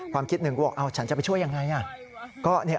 ความคิดหนึ่งก็ว่าฉันจะไปช่วยอย่างไร